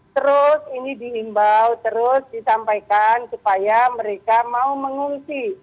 terus ini diimbau terus disampaikan supaya mereka mau mengungsi